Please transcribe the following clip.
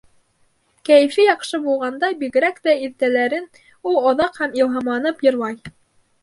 Кәйефе яҡшы булғанда, бигерәк тә иртәләрен, ул оҙаҡ һәм илһамланып «йырлай».